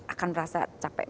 akan merasa capek